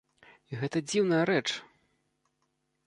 І гэта дзіўная рэч!